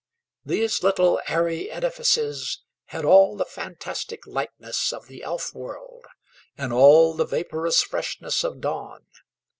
These little airy edifices had all the fantastic lightness of the elf world, and all the vaporous freshness of dawn.